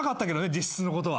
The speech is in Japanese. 実質のことは。